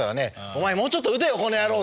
「お前もうちょっと打てよこの野郎」。